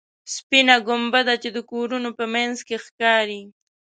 سپینه ګنبده چې د کورونو په منځ کې ښکاري.